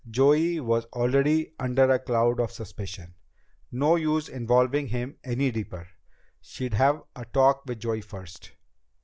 Joey was already under a cloud of suspicion. No use involving him any deeper. She'd have a talk with Joey first.